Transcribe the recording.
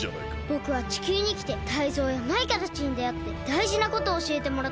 ぼくは地球にきてタイゾウやマイカたちにであってだいじなことをおしえてもらったんです。